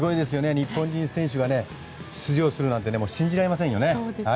日本人選手が出場するなんて信じられませんよね。